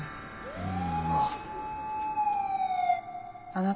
うん。